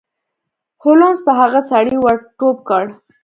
هولمز په هغه سړي ور ټوپ کړ.